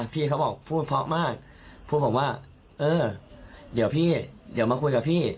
พี่เขาบอกพูดเพราะมากพูดผมว่าเออเดี๋ยวพี่เดี๋ยวมาคุยกับพี่